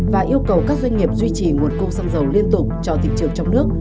và yêu cầu các doanh nghiệp duy trì nguồn cung xăng dầu liên tục cho thị trường trong nước